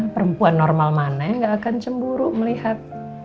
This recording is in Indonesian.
perempuan normal mana yang gak akan cemburu melihat